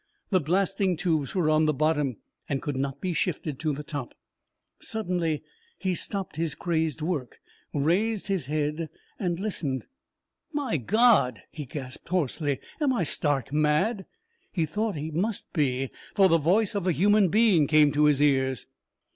The blasting tubes were on the bottom, and could not be shifted to the top. Suddenly he stopped his crazed work, raised his head and listened. "My God!" he gasped hoarsely, "am I stark mad?" He thought he must be, for the voice of a human being came to his ears.